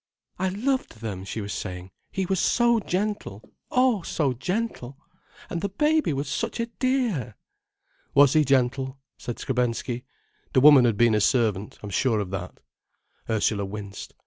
"I loved them," she was saying. "He was so gentle—oh, so gentle! And the baby was such a dear!" "Was he gentle?" said Skrebensky. "The woman had been a servant, I'm sure of that." Ursula winced.